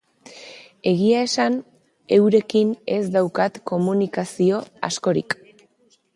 Egia esan, eurekin ez daukat komunikazio askorik.